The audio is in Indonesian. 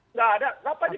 enggak ada kenapa ditoles